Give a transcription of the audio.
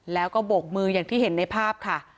แล้วก็โบกมืออย่างที่เห็นในภาพค่ะ